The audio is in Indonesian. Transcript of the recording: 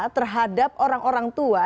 terhadap orang orang tua